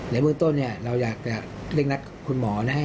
ในเมืองต้นเนี่ยเราอยากจะเร่งรักคุณหมอนะ